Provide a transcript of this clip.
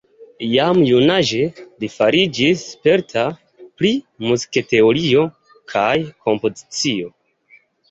Jam junaĝe li fariĝis sperta pri muzikteorio kaj kompozicio.